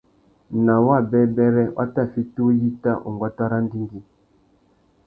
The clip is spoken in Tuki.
Nà wabêbêrê, wa tà fiti uyíta unguata râ andjingüî.